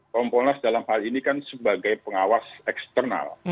kompolnas dalam hal ini kan sebagai pengawas eksternal